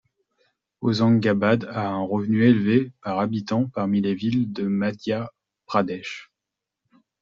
Hoshangabad a un revenu élevé par habitant parmi les villes du Madhya Pradesh.